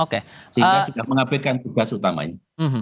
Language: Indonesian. sehingga sudah mengabaikan tugas utamanya